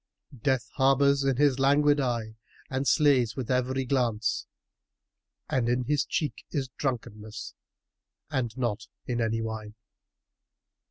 Death harbours in his languid eye and slays with every glance, * And in his cheek is drunkenness, and not in any wine."